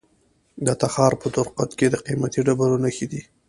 د تخار په درقد کې د قیمتي ډبرو نښې دي.